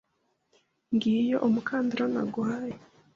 Ngiyo umukandara naguhaye?